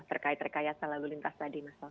terkait rekayasa lalu lintas tadi mas fawzi